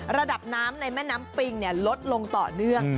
ระดับน้ำในแม่น้ำปิงลดลงต่อเนื่อง